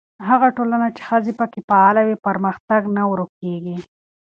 هغه ټولنه چې ښځې پکې فعاله وي، پرمختګ نه ورو کېږي.